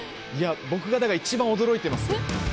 僕がだから一番驚いてますよ。